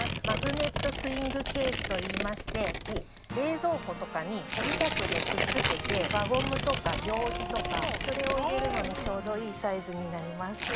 マグネットスイングケースといいまして冷蔵庫とかに磁石でくっつけて輪ゴムとか、ようじとか、それを入れるのにちょうどいいサイズになります。